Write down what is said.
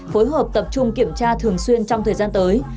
phối hợp tập trung kiểm tra thường xuyên trong thời gian tới